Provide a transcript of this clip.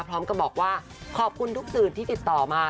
พร้อมกับบอกว่าขอบคุณทุกสื่อที่ติดต่อมา